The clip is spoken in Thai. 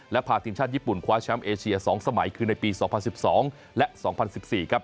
และพาทีมชาติญี่ปุ่นคว้าแชมป์เอเชีย๒สมัยคือในปี๒๐๑๒และ๒๐๑๔ครับ